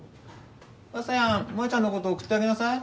バサやん萌ちゃんのこと送ってあげなさい。